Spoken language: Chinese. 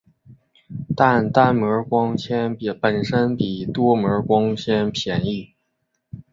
但单模光纤本身比多模光纤便宜。